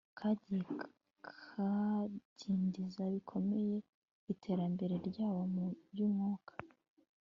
kagiye kadindiza bikomeye iterambere ryabo mu byumwuka